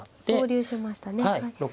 合流しましたね。